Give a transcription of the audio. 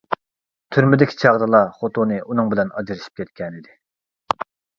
تۈرمىدىكى چاغدىلا خوتۇنى ئۇنىڭ بىلەن ئاجرىشىپ كەتكەنىدى.